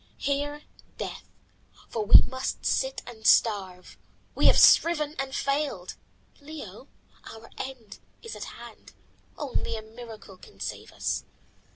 Here death, for we must sit and starve. We have striven and failed. Leo, our end is at hand. Only a miracle can save us."